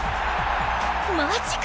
マジか！